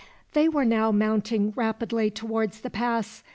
They were now mounting rapidly towards the pass.